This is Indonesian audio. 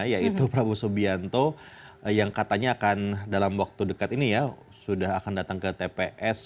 yaitu prabowo subianto yang katanya akan dalam waktu dekat ini ya sudah akan datang ke tps